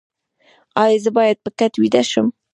ایا زه باید په کټ ویده شم؟